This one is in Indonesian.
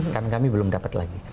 kan kami belum dapat lagi